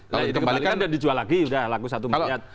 kalau dikembalikan dan dijual lagi udah laku satu mingat